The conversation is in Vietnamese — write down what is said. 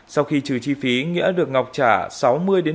sau khi trừ chi phí nghĩa được ngọc trả sáu mươi bảy mươi triệu đồng một tháng